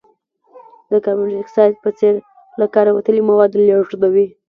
د کاربن ډای اکساید په څېر له کاره وتلي مواد لیږدوي.